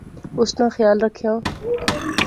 اس ناں خیال رکھِیاں